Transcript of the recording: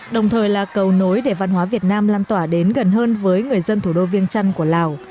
đồng thời là cầu nối để văn hóa việt nam lan tỏa đến gần hơn với người dân thủ đô viêng trăn của lào